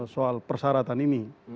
soal persyaratan ini